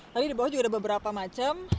tapi di bawah juga ada beberapa macam